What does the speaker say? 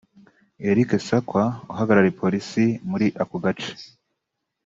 Eric Sakwa uhagarariye Polisi muri ako gace